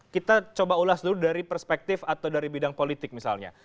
kita coba ulas dulu dari perspektif atau dari bidang politik misalnya